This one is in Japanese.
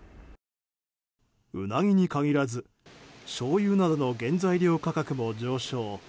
ウナギに限らずしょうゆなどの原材料価格も上昇。